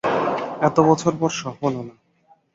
এত বছর পর সফল হলাম।